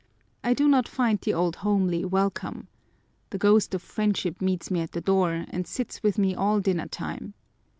I do not find the old homely welcome. The ghost of friendship meets me at the door, and sits with me all dinner time.